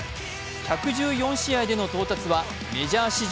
１１４試合での到達はメジャー史上